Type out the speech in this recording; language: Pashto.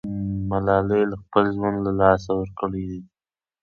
ملالۍ خپل ژوند له لاسه ورکړی دی.